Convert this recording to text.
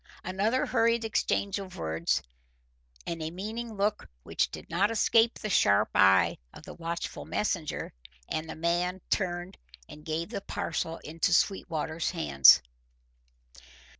Another hurried exchange of words and a meaning look which did not escape the sharp eye of the watchful messenger, and the man turned and gave the parcel into Sweetwater's hands.